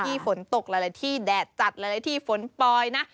ที่ฝนตกที่แดดจัดที่ฝนปลอยนะ